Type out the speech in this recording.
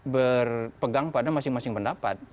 berpegang pada masing masing pendapat